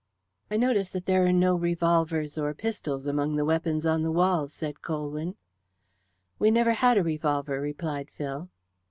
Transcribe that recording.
"I notice that there are no revolvers or pistols among the weapons on the walls," said Colwyn. "We never had a revolver," replied Phil.